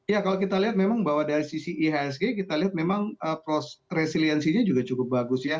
ya kalau kita lihat memang bahwa dari sisi ihsg kita lihat memang proses resiliensinya juga cukup bagus ya